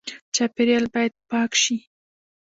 چاپیریال باید پاک شي